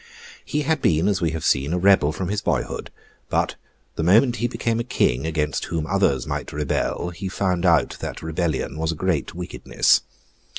He had been, as we have seen, a rebel from his boyhood; but, the moment he became a king against whom others might rebel, he found out that rebellion was a great wickedness.